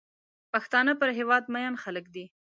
پښتانه پر هېواد مین خلک دي.